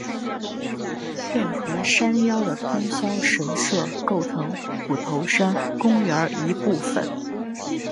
现和山腰的通霄神社构成虎头山公园一部分。